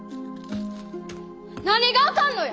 何があかんのや！